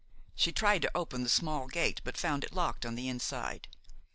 She tried to open the small gate but found it locked on the inside.